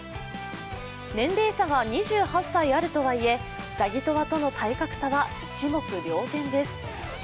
年齢差が２８歳あるとはいえザギトワとの体格差は一目瞭然です。